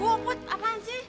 woh put apaan sih